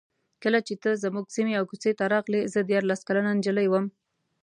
کله چې ته زموږ سیمې او کوڅې ته راغلې زه دیارلس کلنه نجلۍ وم.